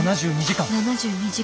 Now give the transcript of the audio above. ７２時間。